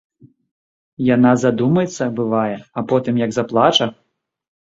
Яна задумаецца, бывае, а потым як заплача!